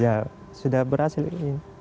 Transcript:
ya sudah berhasil ini